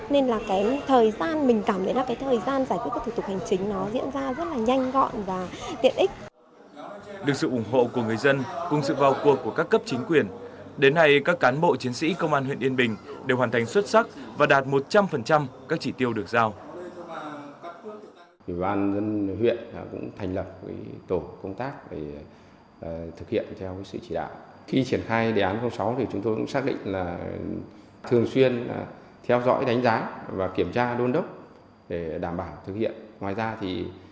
cái thời gian mình cảm thấy là cái thời gian giải quyết các thủ tục hành chính nó diễn ra rất là nhanh gọn và tiện ích